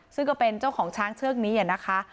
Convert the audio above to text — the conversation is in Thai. ซึ่งก็เป็นเจ้าของช้างเชือกนี้นะคะ